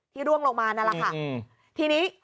ที่ร่วงลงมาน่ะล่ะค่ะทีนี้